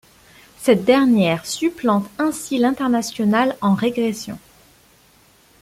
Cette dernière supplante ainsi l’Internationale en régression.